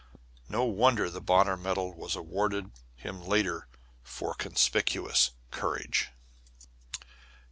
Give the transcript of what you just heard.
No wonder the Bonner medal was awarded him later for conspicuous courage.